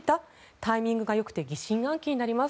タイミングが良くて疑心暗鬼になります。